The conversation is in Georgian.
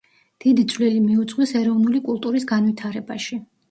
დიდი წვლილი მიუძღვის ეროვნული კულტურის განვითარებაში.